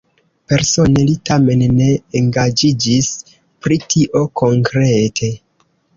Persone li tamen ne engaĝiĝis pri tio konkrete.